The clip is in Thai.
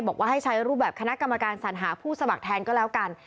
บอกว่าให้ใช้รูปแบบคณะกรรมการสัญหาผู้สมัครแทนก็แล้วกัน